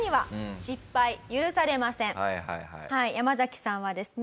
ヤマザキさんはですね